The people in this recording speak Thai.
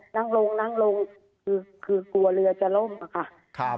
นั่งลงคือกลัวเรือจะล้มค่ะ